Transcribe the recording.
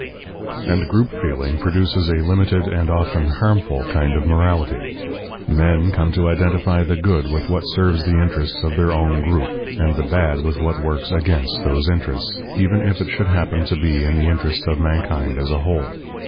And group feeling produces a limited and often harmful kind of morality. Men come to identify the good with what serves the interests of their own group, and the bad with what works against those interests, even if it should happen to be in the interests of mankind as a whole.